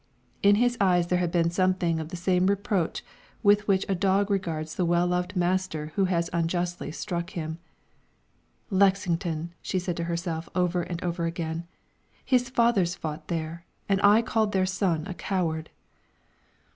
In his eyes there had been something of the same reproach with which a dog regards the well loved master who has unjustly struck him. "Lexington!" she said to herself over and over again; "his fathers fought there, and I called their son a coward!"